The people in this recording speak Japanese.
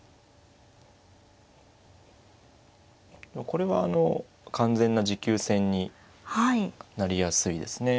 これは完全な持久戦になりやすいですね。